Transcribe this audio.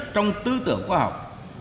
trong tư tưởng khoa học